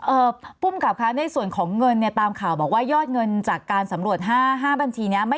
เอ่อภูมิขาผ้าในส่วนของเงินเนี่ยตามข่าวบอกว่ายอดเงินจากการสำรวจ๕บัญชีเนี่ย